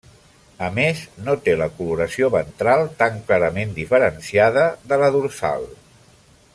A més, no té la coloració ventral tan clarament diferenciada de la dorsal.